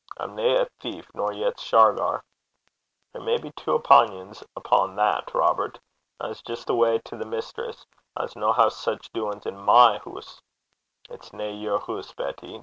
I'm nae a thief, nor yet's Shargar.' 'There may be twa opingons upo' that, Robert. I s' jist awa' benn to the mistress. I s' hae nae sic doin's i' my hoose.' 'It's nae your hoose, Betty.